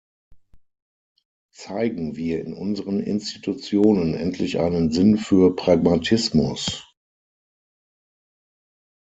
Zeigen wir in unseren Institutionen endlich einen Sinn für Pragmatismus!